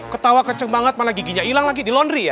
ketawa kece banget mana giginya ilang lagi di laundry ya